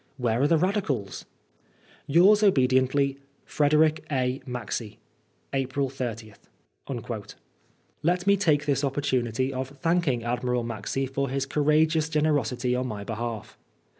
Where are the Radic^? — Yours obediently, Fbkdk. A. Maxse. « April SOth. liet me take this opportunity of thanking Admiral Maxse for his conrageons generosity on my behalf.